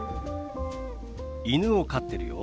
犬を飼ってるよ。